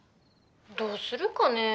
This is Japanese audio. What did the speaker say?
☎どうするかね。